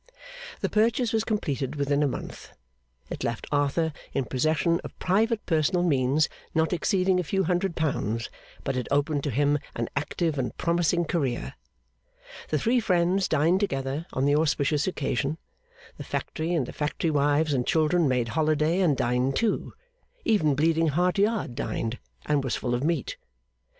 The purchase was completed within a month. It left Arthur in possession of private personal means not exceeding a few hundred pounds; but it opened to him an active and promising career. The three friends dined together on the auspicious occasion; the factory and the factory wives and children made holiday and dined too; even Bleeding Heart Yard dined and was full of meat.